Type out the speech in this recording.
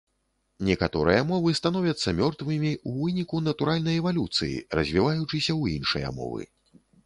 Некаторыя мовы становяцца мёртвымі ў выніку натуральнай эвалюцыі, развіваючыся ў іншыя мовы.